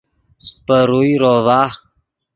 پے روئے روڤا